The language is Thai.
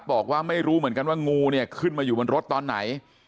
บอกว่าไม่รู้เหมือนกันว่างูเนี่ยขึ้นมาอยู่บนรถตอนไหน